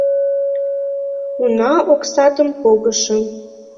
Уна оксатым погышым.